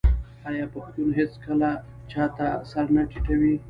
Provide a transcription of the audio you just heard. آیا پښتون هیڅکله چا ته سر نه ټیټوي؟